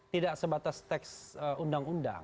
tidak sebatas teks undang undang